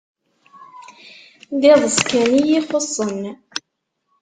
D iḍes kan iyi-ixuṣṣen.